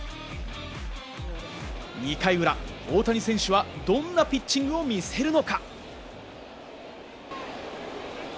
２回裏、大谷選手はどんなピッチングを見せるのか？